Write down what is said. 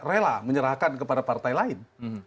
rela menyerahkan kepada partai lain